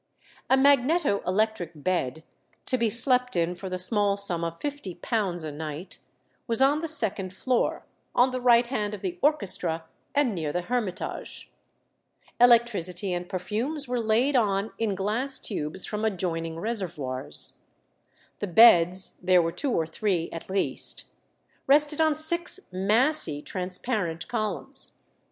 A magneto electric bed, to be slept in for the small sum of £50 a night, was on the second floor, on the right hand of the orchestra, and near the hermitage. Electricity and perfumes were laid on in glass tubes from adjoining reservoirs. The beds (there were two or three at least) rested on six massy transparent columns.